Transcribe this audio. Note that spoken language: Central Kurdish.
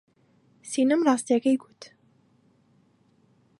سینەم ڕاستییەکەی گوت.